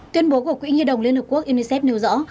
tuyên bố của quỹ nhi đồng liên hợp quốc unicef nêu rõ